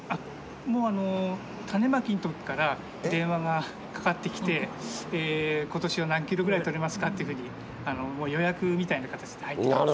もう種まきの時から電話がかかってきて「今年は何キロぐらいとれますか？」っていうふうにもう予約みたいな形で入ってきます。